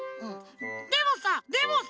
でもさでもさ！